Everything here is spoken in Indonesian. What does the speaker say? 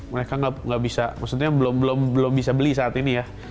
mereka nggak bisa maksudnya belum bisa beli saat ini ya